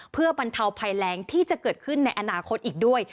เพื่อบรรเทาภัยแรงที่จะเกิดขึ้นในอนาคตอีกด้วย